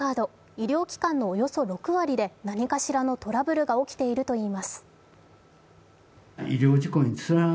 医療機関のおよそ６割で何かしらのトラブルが起きているといいます。